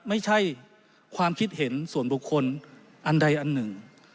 ไม่ใช่ความคิดเห็นส่วนบุคคลอันใดอันหนึ่ง